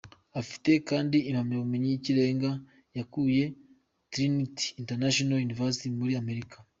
Afite kandi impamyabumenyi y’ikirenga yakuye Trinity International University muri Amerika.